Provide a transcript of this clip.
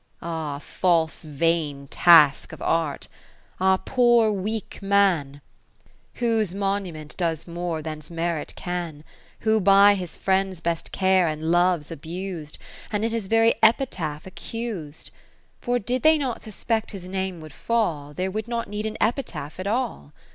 Ah false vain task of Art ! ah poor weak Man ! Whose monument does more than 's merit can : 10 Who by his friends' best care and love 's abus'd. And in his very Epitaph accus'd : For did they not suspect his Name would fall, There would not need an Epitaph at all.